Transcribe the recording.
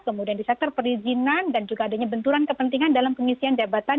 kemudian di sektor perizinan dan juga adanya benturan kepentingan dalam pengisian jabatan